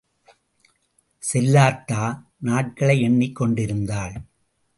செல்லாத்தா நாட்களை எண்ணிக் கொண்டிருந்தாள்.